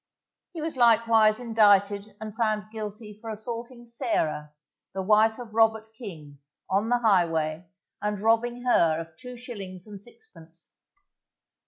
He was likewise indicted and found guilty for assaulting Sarah, the wife of Robert King, on the highway, and robbing her of two shillings and sixpence.